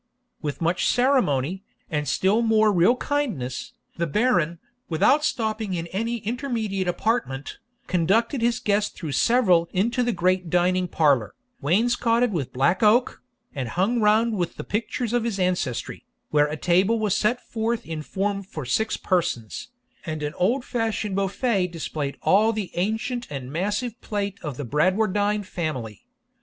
With much ceremony, and still more real kindness, the Baron, without stopping in any intermediate apartment, conducted his guest through several into the great dining parlour, wainscotted with black oak, and hung round with the pictures of his ancestry, where a table was set forth in form for six persons, and an old fashioned beaufet displayed all the ancient and massive plate of the Bradwardine family.